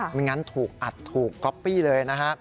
ไม่งั้นถูกอัดถูกก๊อปปี้เลยนะฮะ